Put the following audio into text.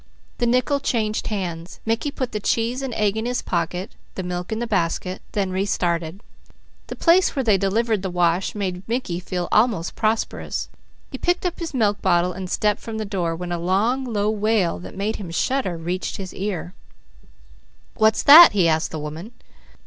The nickel changed hands. Mickey put the cheese and egg in his pocket, the milk in the basket, then started. The place where they delivered the wash made Mickey feel almost prosperous. He picked up his milk bottle and stepped from the door, when a long, low wail that made him shudder, reached his ear. "What's that?" he asked the woman.